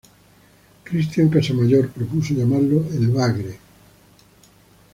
Christian Casamayor propuso llamarlo "El Bagre".